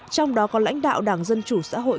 trong đó có lãnh đạo đảng dân chủ xã hội